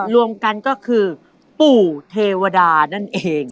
รวมกันก็คือปู่เทวดานั่นเอง